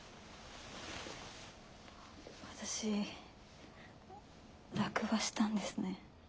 私落馬したんですね。